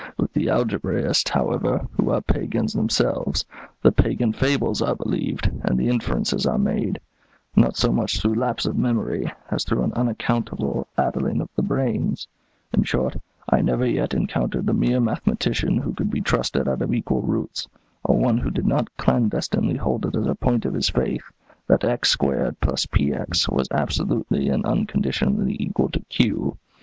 With the algebraists, however, who are pagans themselves, the 'pagan fables' are believed, and the inferences are made, not so much through lapse of memory as through an unaccountable addling of the brains. In short, I never yet encountered the mere mathematician who could be trusted out of equal roots, or one who did not clandestinely hold it as a point of his faith that x²+px was absolutely and unconditionally equal to q.